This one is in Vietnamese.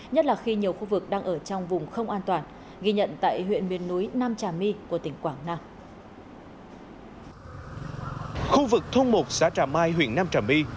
nhất là khi nhiều khu vực đang ở trong vùng không an toàn ghi nhận tại huyện miền núi nam trà my của tỉnh quảng nam